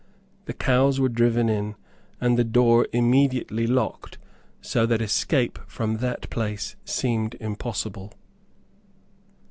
The cows were driven in, and the door immediately locked, so that escape from that place seemed impossible.